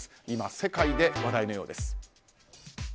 今、世界で話題のようです。